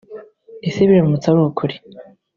Ese biramutse ari ukuri